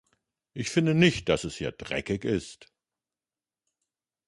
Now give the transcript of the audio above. Ich finde nicht, dass es hier dreckig ist.